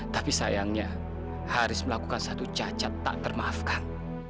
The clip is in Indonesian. tapi sayangnya haris melakukan satu cacat tak termaafkan